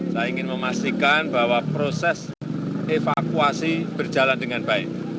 saya ingin memastikan bahwa proses evakuasi berjalan dengan baik